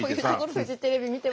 フジテレビ見てました。